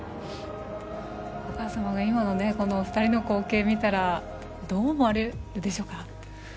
お母様が今のお二人の光景を見たらどう思われるでしょうか。